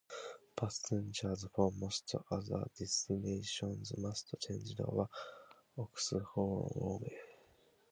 Passengers for most other destinations must change at Oxenholme.